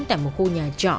tại một khu nhà trọ